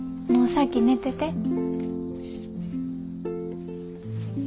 もう先寝てて。